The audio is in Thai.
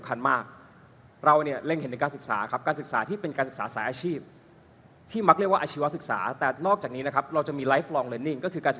ขยายสายให้มันขึ้นถึงอย่างนี้